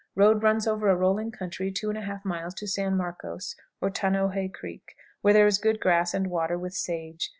Road runs over a rolling country 2 1/2 miles to San Marcos, or Tanoje Creek, where there is good grass and water, with sage.